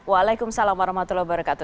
waalaikumsalam warahmatullahi wabarakatuh